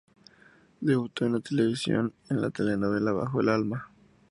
Debutó en la televisión en la telenovela "Bajo el alma".